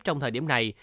trong thời điểm này